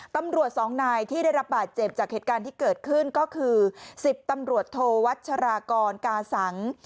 ตำรวจสองนายที่ได้รับบาดเจ็บจากเหตุการณ์ที่เกิดขึ้นก็คือ๑๐ตำรวจโทวัชรากรกาสัง